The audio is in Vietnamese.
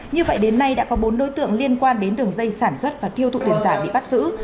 như vậy đến nay đã có bốn đối tượng liên quan đến đường dây sản xuất và tiêu thụ tiền giả bị bắt giữ